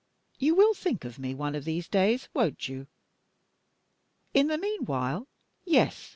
You will think of me, one of these days, won't you? In the meanwhile yes!